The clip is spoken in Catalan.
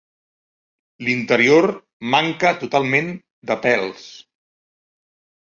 L'interior manca totalment de pèls.